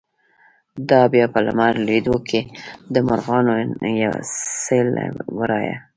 “دا به بیا په لمر لویدو کی، د مرغانو سیل له ورایه